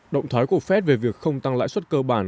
động thái của fed về việc không tăng lãi suất cơ bản